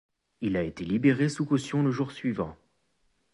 Il a été libéré sous caution le jour suivant.